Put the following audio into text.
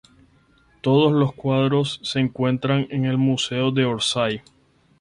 Todos los cuadros se encuentra en el Museo de Orsay.